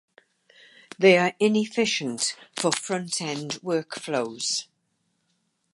They are inefficient for front-end workflows